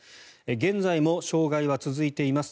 現在も障害は続いています。